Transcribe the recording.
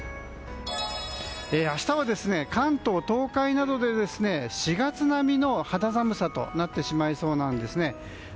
明日は関東・東海などで４月並みの肌寒さとなってしまいそうなんです。